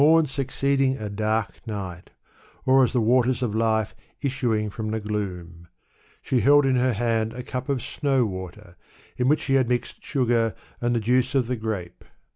her channs. She came forth as mom succeeding a dark night, or as the waters of life issuing from the gloom. She held in her hand a cup of snow water, in which she had mixed sugar and the juice of the grape.